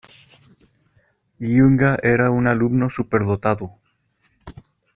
Junge era un alumno superdotado.